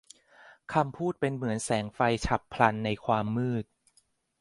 คำพูดเป็นเหมือนแสงไฟฉับพลันในความมืด